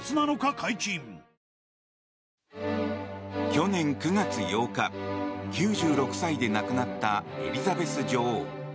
去年９月８日、９６歳で亡くなったエリザベス女王。